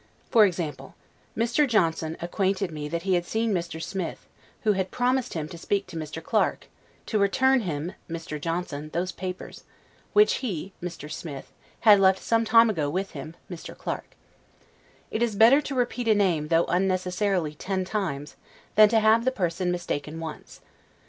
For example, Mr. Johnson acquainted me that he had seen Mr. Smith, who had promised him to speak to Mr. Clarke, to return him (Mr. Johnson) those papers, which he (Mr. Smith) had left some time ago with him (Mr. Clarke): it is better to repeat a name, though unnecessarily, ten times, than to have the person mistaken once.